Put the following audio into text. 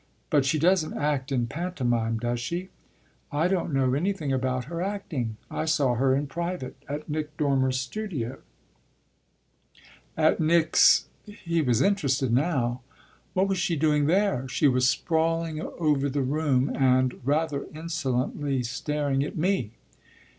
"But she doesn't act in pantomime, does she?" "I don't know anything about her acting. I saw her in private at Nick Dormer's studio." "At Nick's ?" He was interested now. "What was she doing there?" "She was sprawling over the room and rather insolently staring at me."